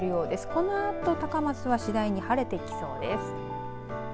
このあと高松は次第に晴れてきそうです。